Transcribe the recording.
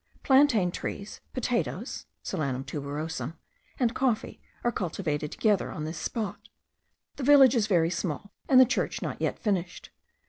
Plantain trees, potatoes,* (* Solanum tuberosum.) and coffee are cultivated together on this spot. The village is very small, and the church not yet finished.